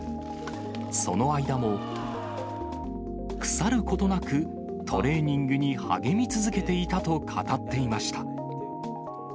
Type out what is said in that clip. その間も、腐ることなくトレーニングに励み続けていたと語っていました。